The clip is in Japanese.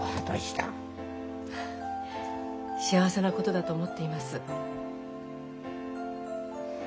幸せなことだと思っています。